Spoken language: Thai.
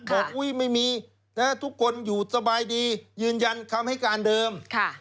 บอกอุ๊ยไม่มีทุกคนอยู่สบายดียืนยันคำให้การเดิม